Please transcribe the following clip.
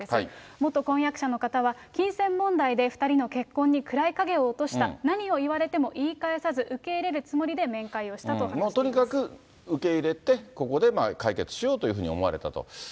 元婚約者の方は、金銭問題で２人の結婚に暗い影を落とした、何を言われても言い返さず、とにかく受け入れて、ここで解決しようというふうに思われたと。